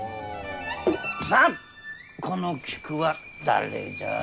さあこの菊は誰じゃ？